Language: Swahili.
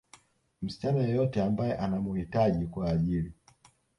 msichana yeyote ambaye anamuhitaji kwa ajili